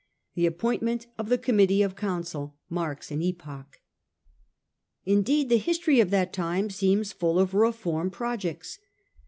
The appointment of the Committee of Council marks an epoch. Indeed the history of that time seems full of Reform projects.